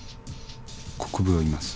国府がいます。